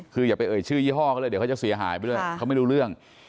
คืออย่าไปเอ่ยชื่อยี่ห้อเขาเลยเดี๋ยวเขาจะเสียหายไปด้วยเขาไม่รู้เรื่อง